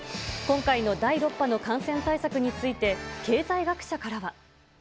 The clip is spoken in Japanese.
今回の第６波の感染対策について、経済学者からは。